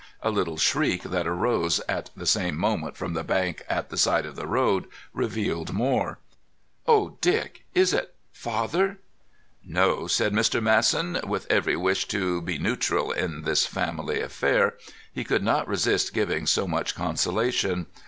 A little shriek that arose at the same moment from the bank at the side of the road revealed more. "Oh, Dick, is it—father?" "No," said Mr. Masson. With every wish to be neutral in this family affair, he could not resist giving so much consolation.